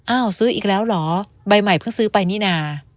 ซื้ออีกแล้วเหรอใบใหม่เพิ่งซื้อไปนี่นา